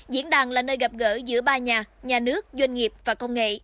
diễn đàn là nơi gặp gỡ giữa ba nhà nhà nước doanh nghiệp và công nghệ